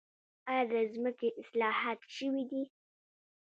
آیا د ځمکې اصلاحات شوي دي؟